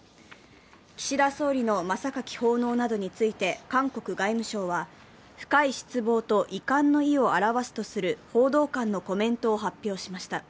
岸田総理の真榊奉納などについて韓国外務省は深い失望と遺憾の意を表すとする報道官のコメントを発表しました。